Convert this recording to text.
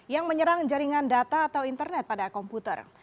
yang menyerang jaringan data atau internet pada komputer